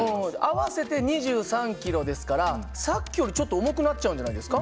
合わせて２３キロですからさっきよりちょっと重くなっちゃうんじゃないですか。